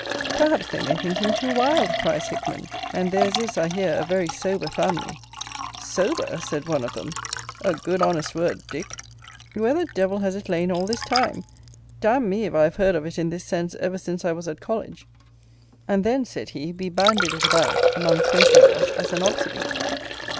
Perhaps they may think him too wild, cries Hickman: and theirs is, I hear, a very sober family SOBER! said one of them: A good honest word, Dick! Where the devil has it lain all this time? D me if I have heard of it in this sense ever since I was at college! and then, said he, we bandied it about among twenty of us as an obsolete.